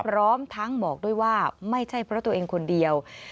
พร้อมทั้งบอกด้วยว่าไม่ใช่เพราะตัวเองคนเดียว